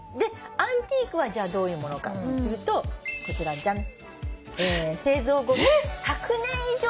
アンティークはどういうものかっていうとこちらジャン。